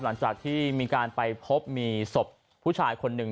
หลังจากที่มีการไปพบมีศพผู้ชายคนหนึ่ง